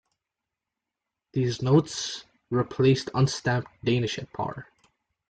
These notes replaced unstamped Danish at par.